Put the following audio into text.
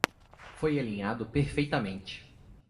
Foi alinhado perfeitamente.